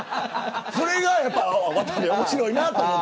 それが、やっぱり渡部面白いなと。